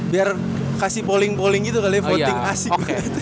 biar kasih polling polling gitu kali voting asik